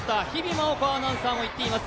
麻音子アナウンサーもいっています。